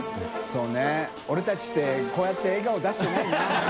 修Δ俺たちってこうやって笑顔出してないな。